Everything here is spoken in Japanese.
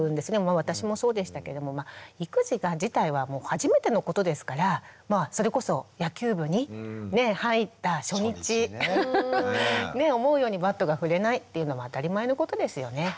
私もそうでしたけども育児が自体は初めてのことですからそれこそ野球部に入った初日思うようにバットが振れないっていうのも当たり前のことですよね。